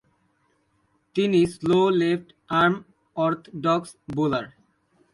তিনি slow left arm orthodox bowler.